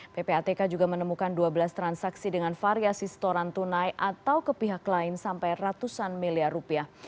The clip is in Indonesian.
ppatk juga menemukan dua belas transaksi dengan variasi setoran tunai atau ke pihak lain sampai ratusan miliar rupiah